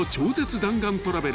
弾丸トラベル］